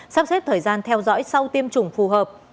sắp xếp thời gian theo dõi sau tiêm chủng phù hợp